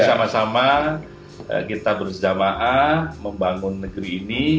sama sama kita bersama sama membangun negeri ini